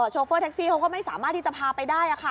โฟเฟอร์แท็กซี่เขาก็ไม่สามารถที่จะพาไปได้ค่ะ